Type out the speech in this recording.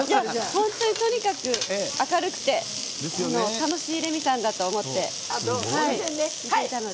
本当に明るくて楽しいレミさんだと思っていたので。